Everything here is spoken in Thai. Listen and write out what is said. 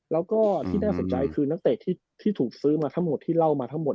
แล้วก็ที่น่าสนใจคือนักเตะที่ถูกซื้อมาทั้งหมดที่เล่ามาทั้งหมด